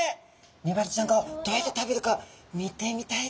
メバルちゃんがどうやって食べるか見てみたいですね。